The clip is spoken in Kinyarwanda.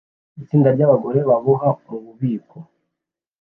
Itsinda ryabagore baboha mububiko